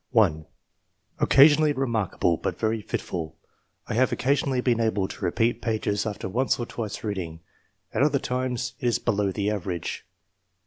1. ''Occasionally remarkable, but very fitful. I have occasionally been able to repeat pages after once or twice reading ; at other times it is below the average.